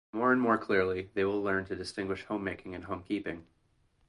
More and more clearly they will learn to distinguish homemaking and homekeeping.